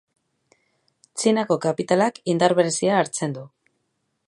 Txinako kapitalak indar berezia hartzen du.